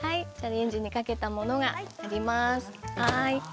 レンジにかけたものがあります。